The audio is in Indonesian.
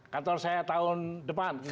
kantor saya tahun depan